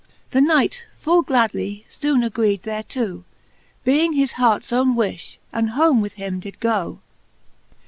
The Knight full gladly foone agreed thereto, Being his harts owne wifh, and home with him did go.